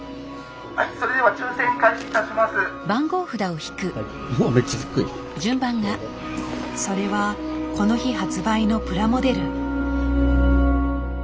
はいそれではそれはこの日発売のプラモデル。